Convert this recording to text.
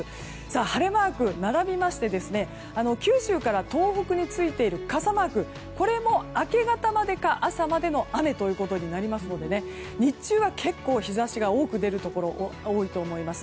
晴れマークが並びまして九州から東北についている傘マークも明け方までか朝までの雨ということになりますので日中は結構日差しが多く出るところ多いと思います。